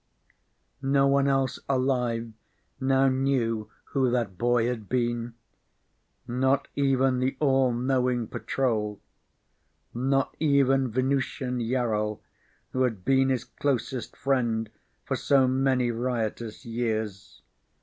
No one else alive now knew who that boy had been. Not even the all knowing Patrol. Not even Venusian Yarol, who had been his closest friend for so many riotous years.